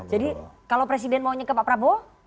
jadi kalau presiden maunya ke pak prabowo